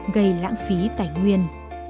gây lãng phí tài nguyên